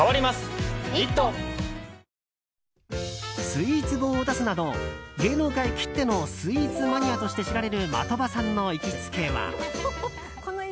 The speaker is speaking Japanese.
スイーツ本を出すなど芸能界きってのスイーツマニアとして知られる的場さんの行きつけは。